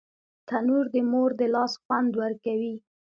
تنور د مور د لاس خوند ورکوي